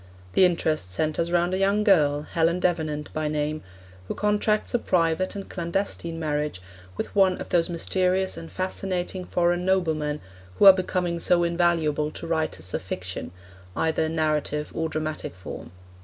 The interest centres round a young girl, Helen Davenant by name, who contracts a private and clandestine marriage with one of those mysterious and fascinating foreign noblemen who are becoming so invaluable to writers of fiction, either in narrative or dramatic form.